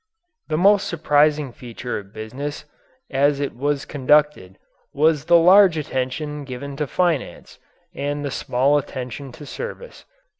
The most surprising feature of business as it was conducted was the large attention given to finance and the small attention to service.